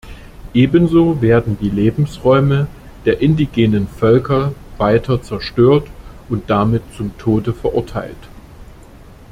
Ebenso werden die Lebensräume der indigenen Völker weiter zerstört und damit zum Tode verurteilt.